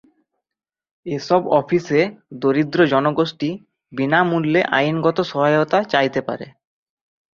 এসব অফিসে দরিদ্র জনগোষ্ঠী বিনামূল্যে আইনগত সহায়তা চাইতে পারে।